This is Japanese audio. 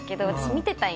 見てたい？